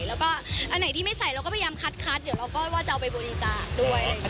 แล้วก็อันไหนที่ไม่ใส่เราก็พยายามคัดเดี๋ยวเราก็ว่าจะเอาไปบริจาคด้วย